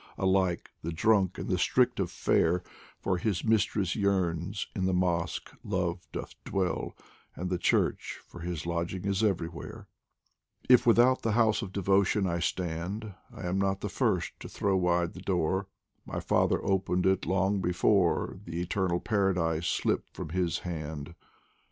86 DIVAN OF HAFIZ Alike the drunk and the strict of fare For his mistress yearns in the mosque Love doth dwell And the church, for his lodging is everywhere. If without the house of devotion I stand, I am not the first to throw wide the door; My father opened it long before, The eternal Paradise slipped from his hand.